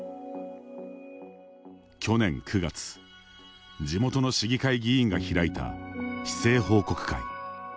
去年９月、地元の市議会議員が開いた市政報告会。